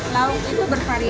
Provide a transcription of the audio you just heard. lauk itu bervariasi ya